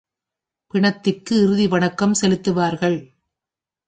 பிணத்திற்கு இறுதி வணக்கம் செலுத்துவார்கள்.